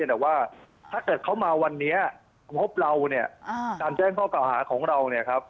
แต่ว่าถ้าเกิดเขามาวันนี้พบทุกคนจนแจ้งข้อเก่าหาของเรา